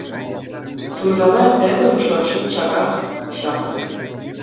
Сӑмсана тӗтӗм шӑрши чаках ҫапрӗ.